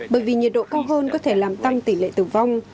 bởi vì nhiệt độ cao hơn có thể làm tăng tỷ lệ tử vong